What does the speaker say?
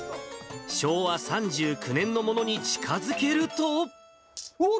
昭和３９年のものに近づけるおー！